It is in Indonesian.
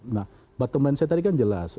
nah bottom line saya tadi kan jelas